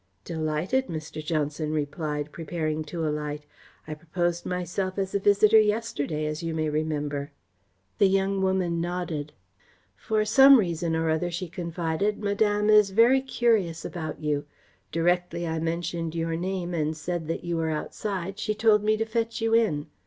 "Delighted," Mr. Johnson replied, preparing to alight. "I proposed myself as a visitor yesterday, as you may remember." The young woman nodded. "For some reason or another," she confided, "Madame is very curious about you. Directly I mentioned your name and said that you were outside, she told me to fetch you in.